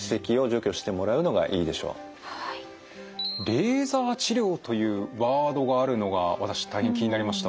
レーザー治療というワードがあるのが私大変気になりました。